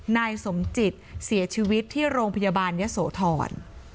นายสมจิตเสียชีวิตที่โรงพยาบาลยะโสธร